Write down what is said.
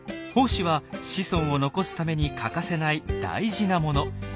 胞子は子孫を残すために欠かせない大事なもの。